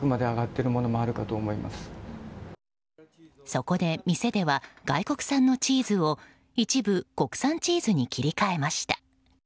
そこで店では外国産のチーズを一部国産チーズに切り替えました。